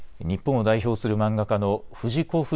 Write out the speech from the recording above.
日本を代表する漫画家の藤子